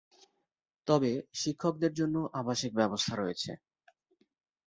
তবে শিক্ষকদের জন্য আবাসিক ব্যবস্থা রয়েছে।